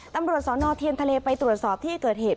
ตำรวจสนเทียนทะเลไปตรวจสอบที่เกิดเหตุ